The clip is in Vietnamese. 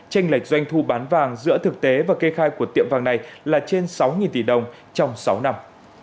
tranh lệch doanh thu bán vàng giữa thực tế và kê khai của tiệm vàng này là trên sáu tỷ đồng trong sáu năm